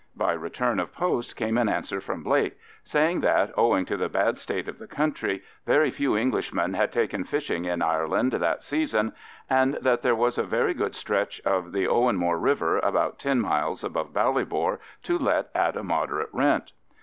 By return of post came an answer from Blake, saying that, owing to the bad state of the country, very few Englishmen had taken fishings in Ireland that season, and that there was a very good stretch of the Owenmore river, about ten miles above Ballybor, to let at a moderate rent.